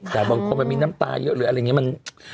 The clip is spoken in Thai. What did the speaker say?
แต่บางคนมันมีน้ำตายิ่งหรืออะไรแบบนี้